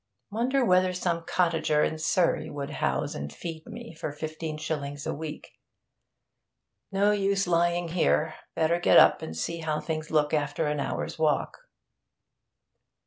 Wonder whether some cottager in Surrey would house and feed me for fifteen shillings a week?... No use lying here. Better get up and see how things look after an hour's walk.'